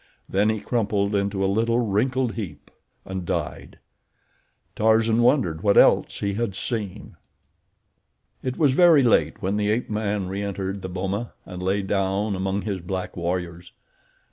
Then he crumpled into a little, wrinkled heap and died. Tarzan wondered what else he had seen. It was very late when the ape man re entered the boma and lay down among his black warriors.